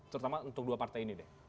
terutama untuk dua partai ini deh